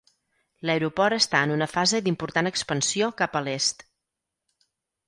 L'aeroport està en una fase d'important expansió cap a l'est.